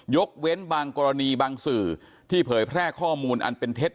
ยกเว้นบางกรณีบางสื่อที่เผยแพร่ข้อมูลอันเป็นเท็จ